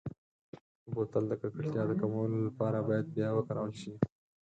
بوتل د ککړتیا د کمولو لپاره باید بیا وکارول شي.